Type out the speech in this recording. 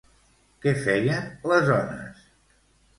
Què feien les ones?